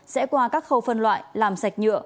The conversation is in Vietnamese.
sẽ qua các khâu phân loại làm sạch nhựa